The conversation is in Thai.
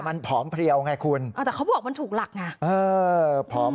มันผอมเพลียวไงคุณแต่เขาบอกมันถูกหลักไงเออผอม